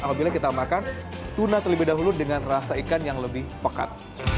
apabila kita makan tuna terlebih dahulu dengan rasa ikan yang lebih pekat